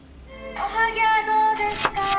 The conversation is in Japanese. おはぎもどうですか？